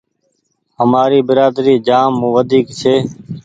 همآري برآدري جآم وڍيڪ ڇي۔